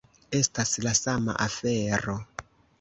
Estas la sama afero.